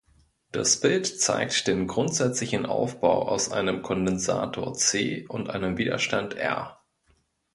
Das Bild zeigt den grundsätzlichen Aufbau aus einem Kondensator "C" und einem Widerstand "R".